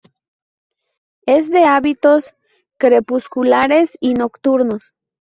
Es de hábitos crepusculares y nocturnos.